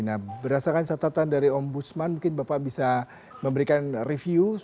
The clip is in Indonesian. nah berdasarkan catatan dari ombudsman mungkin bapak bisa memberikan review